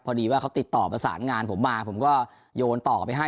พอดีว่าเขาติดต่อประสานงานผมมาผมก็โยนต่อไปให้